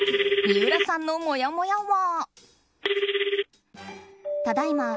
三浦さんのもやもやは。